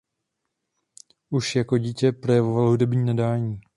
Už jako dítě projevoval hudební nadání.